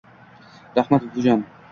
- Rahmat, buvijon!